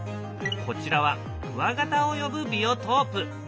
こちらはクワガタを呼ぶビオトープ。